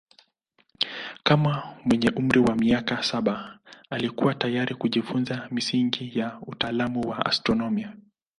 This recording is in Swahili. Kama mwenye umri wa miaka saba alikuwa tayari kujifunza misingi ya utaalamu wa astronomia.